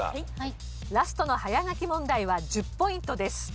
ラストの早書き問題は１０ポイントです。